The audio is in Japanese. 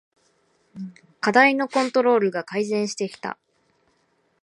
課題のコントロールが改善してきた